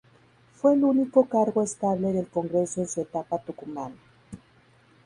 Fue el único cargo estable del congreso en su etapa tucumana.